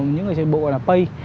những người chạy bộ là pay